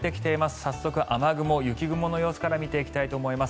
早速、雨雲、雪雲の様子から見ていきたいと思います。